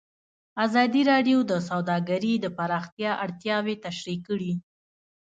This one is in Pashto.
ازادي راډیو د سوداګري د پراختیا اړتیاوې تشریح کړي.